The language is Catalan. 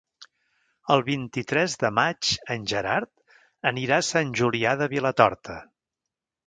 El vint-i-tres de maig en Gerard anirà a Sant Julià de Vilatorta.